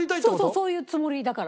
そういうつもりだから。